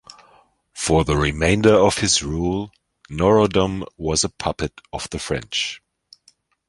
For the remainder of his rule Norodom was a puppet of the French.